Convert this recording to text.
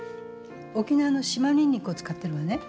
沖縄の島ニンニクを使ってるのね。